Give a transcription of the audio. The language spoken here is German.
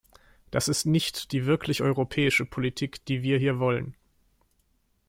Das ist nicht die wirklich europäische Politik, die wir hier wollen!